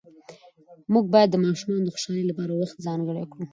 موږ باید د ماشومانو د خوشحالۍ لپاره وخت ځانګړی کړو